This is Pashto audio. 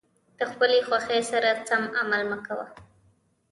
د خپلې خوښې سره سم عمل مه کوه.